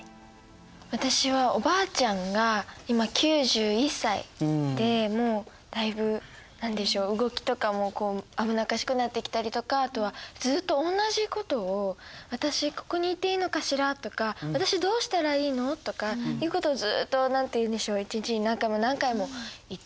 私はおばあちゃんが今９１歳でもうだいぶ何でしょう動きとかも危なっかしくなってきたりとかあとはずっと同じことを「私ここにいていいのかしら？」とか「私どうしたらいいの？」とかっていうことをずっと何て言うんでしょう一日に何回も何回も言っていますね。